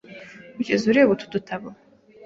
Wigeze ureba utu dutabo?